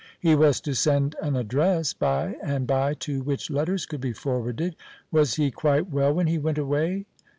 He was to send an address by and by to which letters could be forwarded. Was he quite well when he went away?